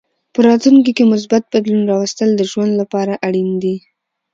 په راتلونکې کې مثبت بدلون راوستل د ژوند لپاره اړین دي.